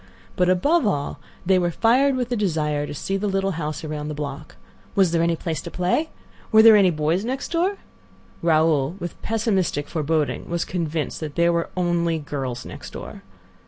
But, above all, they were fired with a desire to see the little house around the block. Was there any place to play? Were there any boys next door? Raoul, with pessimistic foreboding, was convinced that there were only girls next door.